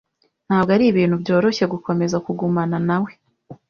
Ntabwo ari ibintu byoroshye gukomeza kugumana na we.